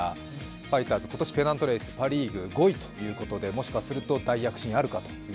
ファイターズ、今年ペナントレース、パ・リーグ５位ということでもしかすると大躍進あるかと。